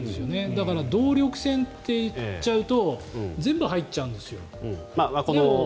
だから、動力船と言っちゃうと全部入っちゃうんですよ。